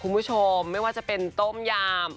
คุณผู้ชมไม่ว่าจะเป็นต้มยำ